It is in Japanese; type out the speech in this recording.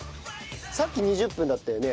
さっき２０分だったよね？